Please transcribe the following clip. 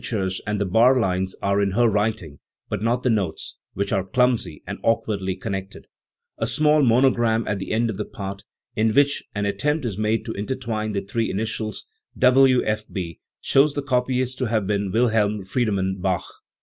109 tures and the bar lines are in her writing, but not the notes, which are clumsy and awkwardly connected, A small monogram at the end of the part, in which an attempt is made to intertwine the three initials W. F. B., shows the copyist to have been Wilhelm Friedemann Bach.